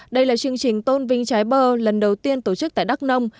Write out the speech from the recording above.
đây là chương trình tôn vinh trái bơ lần đầu tiên tổ chức tại đắk nông